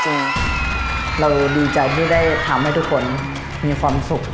จริงเราดีใจที่ได้ทำให้ทุกคนมีความสุข